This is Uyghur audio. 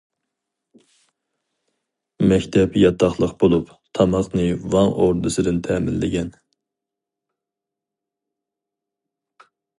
مەكتەپ ياتاقلىق بولۇپ، تاماقنى ۋاڭ ئوردىسىدىن تەمىنلىگەن.